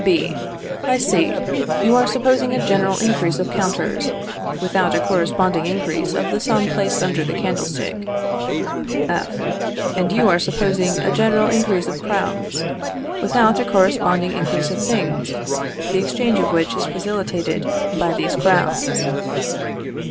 B. I see; you are supposing a general increase of counters, without a corresponding increase of the sum placed under the candlestick. F. And you are supposing a general increase of crowns, without a corresponding increase of things, the exchange of which is facilitated by these crowns.